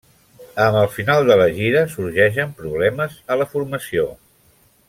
Amb el final de la gira sorgeixen problemes a la formació.